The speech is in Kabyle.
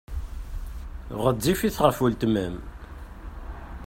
Ɣezzifet ɣef weltma-m.